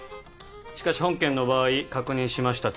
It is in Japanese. しかし本件の場合確認しました